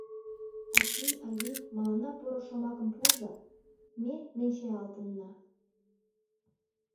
Ачий, авий, мыланна поро шомакым пуыза: ме менчаялтынна...